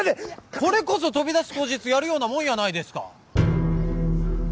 ほれこそ飛び出す口実やるようなもんやないですか